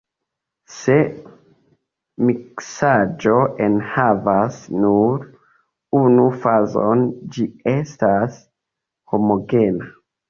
Se miksaĵo enhavas nur unu fazon, ĝi estas homogena.